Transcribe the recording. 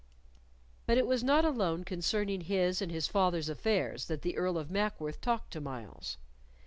But it was not alone concerning his and his father's affairs that the Earl of Mackworth talked to Myles.